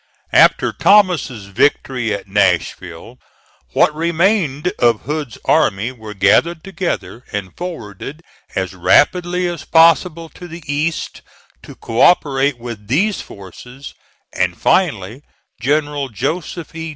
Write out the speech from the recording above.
After Thomas's victory at Nashville what remained, of Hood's army were gathered together and forwarded as rapidly as possible to the east to co operate with these forces; and, finally, General Joseph E.